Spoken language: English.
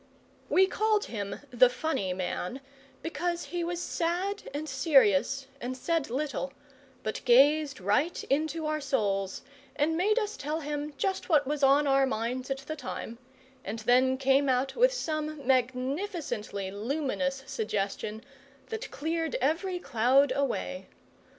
We called him the funny man because he was sad and serious, and said little, but gazed right into our souls, and made us tell him just what was on our minds at the time, and then came out with some magnificently luminous suggestion that cleared every cloud away.